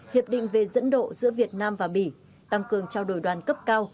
hiệp định về dẫn độ giữa việt nam và bỉ tăng cường trao đổi đoàn cấp cao